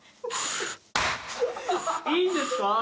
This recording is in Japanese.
いいんですか？